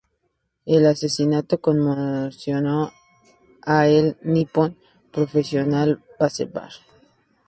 El asesinato conmocionó a el Nippon Professional Baseball.